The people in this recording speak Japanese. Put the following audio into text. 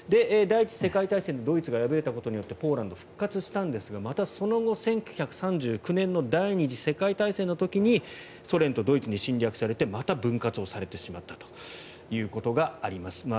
第１次世界大戦でドイツが敗れたことによってポーランドは復活したんですがまたその後、１９３９年の第２次世界大戦の時にソ連とドイツに侵略されてまた分割されてしまったということがあります。